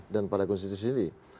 dan pada konstitusi ini